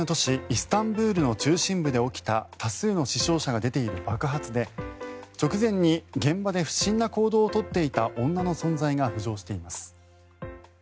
イスタンブールの中心部で起きた多数の死傷者が出ている爆発で直前に現場で不審な行動を取っていた女の存在が浮上しています。